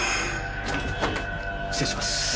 失礼します。